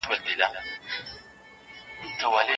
د ماشومانو حقوق باید په پوره توګه مراعات سي.